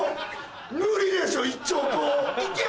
無理でしょ１兆個。